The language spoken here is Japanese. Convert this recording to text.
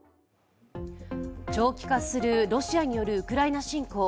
長期化するロシアによるウクライナ侵攻。